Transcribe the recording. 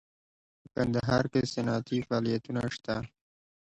په کندهار کې صنعتي فعالیتونه شته